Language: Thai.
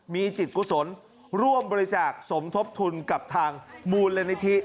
มีจิตกุศลร่วมบริจาคสมทบทุนกับทางมูลนิธิ